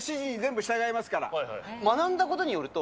学んだことによると。